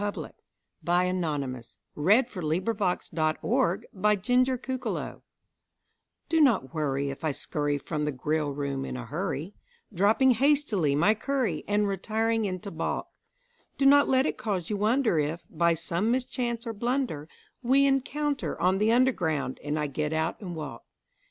CUPID'S DARTS (Which are a growing menace to the public) Do not worry if I scurry from the grill room in a hurry, Dropping hastily my curry and re tiring into balk ; Do not let it cause you wonder if, by some mischance or blunder, We encounter on the Underground and I get out and walk.